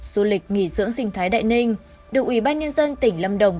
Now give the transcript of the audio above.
du lịch nghỉ dưỡng sinh thái đại ninh được ủy ban nhân dân tỉnh lâm đồng